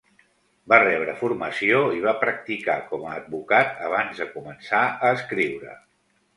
Va rebre formació i va practicar com a advocat abans de començar a escriure.